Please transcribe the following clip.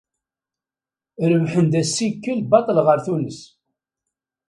Rebḥen-d assikel baṭel ɣer Tunes.